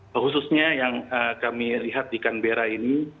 khususnya yang kami lihat di canberra ini